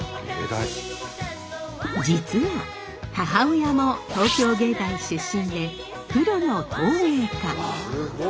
実は母親も東京芸大出身でプロの陶芸家。